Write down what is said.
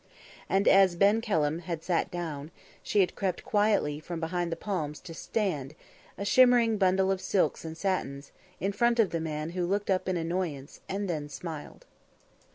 And as Ben Kelham had sat down, she had crept quietly from behind the palms to stand, a shimmering bundle of silks and satins, in front of the man who looked up in annoyance, and then smiled.